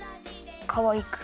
かわいく！